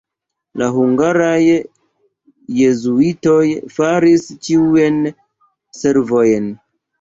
La hungaraj jezuitoj faris ĉiujn servojn.